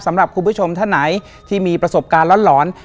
สำหรับคุณผู้ชมท่านไหนที่มีประสบการณ์หลอน